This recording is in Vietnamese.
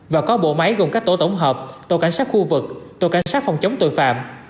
và có bộ máy gồm các tổ tổng hợp tổ cảnh sát khu vực tổ cảnh sát phòng chống tội phạm